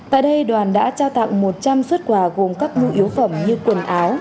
tại đây đoàn đã trao tặng một trăm linh xuất quà gồm các nhu yếu phẩm như quần áo